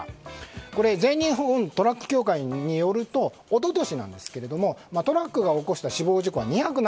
全日本トラック協会によると一昨年なんですがトラックが起こした死亡事故は２０７件。